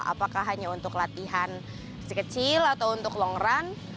apakah hanya untuk latihan si kecil atau untuk long run